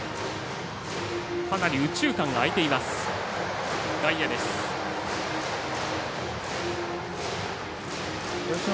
かなり右中間は空いている外野。